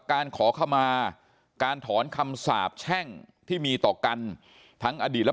การขอขมาการถอนคำสาบแช่งที่มีต่อกันทั้งอดีตและ